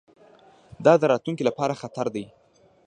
دا د راتلونکي لپاره خطر دی.